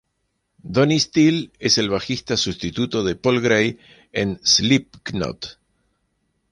Donnie Steele es el bajista sustituto de Paul Gray en Slipknot.